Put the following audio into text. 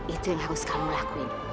itu yang harus kamu lakuin